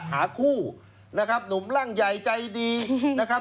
หาคู่นะครับหนุ่มร่างใหญ่ใจดีนะครับ